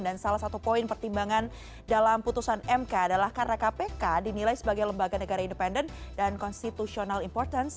dan salah satu poin pertimbangan dalam putusan mk adalah karena kpk dinilai sebagai lembaga negara independen dan konstitusional importance